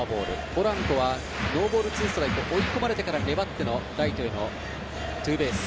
ポランコはノーボールツーストライクで追い込まれてから粘ってのライトへのツーベース。